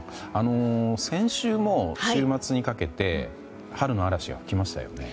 先週も週末にかけて春の嵐が来ましたよね。